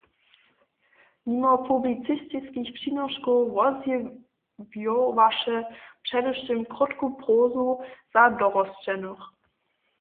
Nimo publicistiskich přinoškow wozjewjowaše předewšěm krótku prozu za dorosćenych.